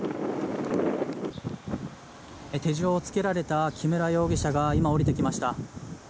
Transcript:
手錠をつけられた木村容疑者が今、降りてきました。